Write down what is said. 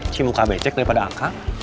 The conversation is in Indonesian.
cimuka becek daripada aku